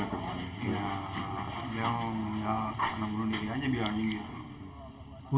ya karena bunuh diri aja bilang gitu